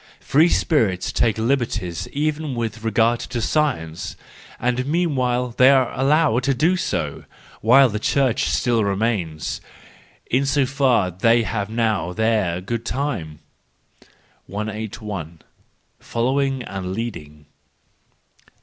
—Free Spirits take liberties even with regard to Science—and meanwhile they are allowed to do so,—while the Church still remains!—In so far they have now their good time. 181. Following and Leading.